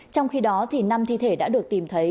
trong khi đó năm thi thể đã được tìm thấy